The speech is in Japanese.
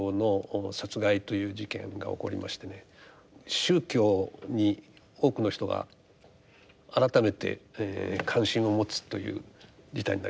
宗教に多くの人が改めて関心を持つという事態になりました。